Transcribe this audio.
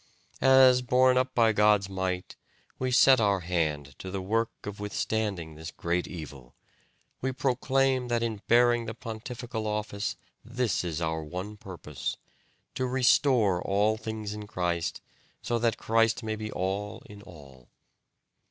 As, borne up by God's might, we set our hand to the work of withstanding this great evil, we proclaim that in bearing the pontifical office this is our one purpose, 'to restore all things in Christ, so that Christ may be all in all'."